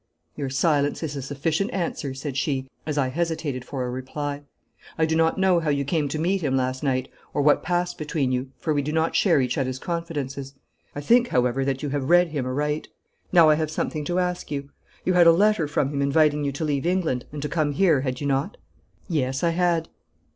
'Your silence is a sufficient answer,' said she, as I hesitated for a reply. 'I do not know how you came to meet him last night, or what passed between you, for we do not share each other's confidences. I think, however, that you have read him aright. Now I have something to ask you. You had a letter from him inviting you to leave England and to come here, had you not?' 'Yes, I had.'